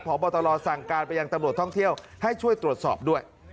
พบตรสั่งการไปยังตำรวจท่องเที่ยวให้ช่วยตรวจสอบด้วย